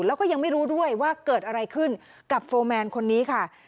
แล้วก็ยังไม่รู้ด้วยว่าเกิดอะไรขึ้นกับโฟร์แมนคนนี้ค่ะ